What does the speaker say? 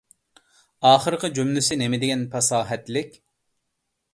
ئاخىرقى جۈملىسى نېمىدېگەن پاساھەتلىك!